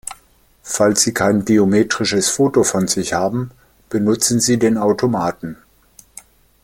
Falls Sie kein biometrisches Foto von sich haben, benutzen Sie den Automaten!